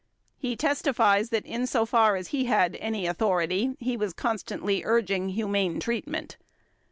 He testifies that insofar as he had any authority he was constantly urging humane treatment.